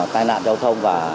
tai nạn giao thông